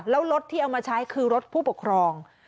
แล้วรถที่เอามาใช้คือรถผู้ปกครอง